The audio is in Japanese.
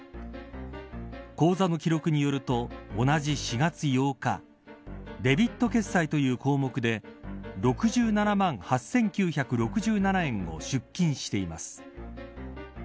口座の記録によると同じ４月８日デビット決済という項目で６７万８９６７円を出金しています。